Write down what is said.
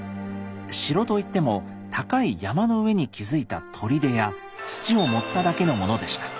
城と言っても高い山の上に築いた砦や土を盛っただけのものでした。